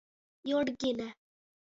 Jurgine.